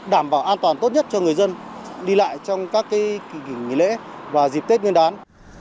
đảm bảo an toàn tốt nhất cho người dân đi lại trong các kỳ nghỉ lễ và dịp tết nguyên đán